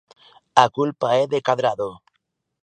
A culpa é de Cadrado.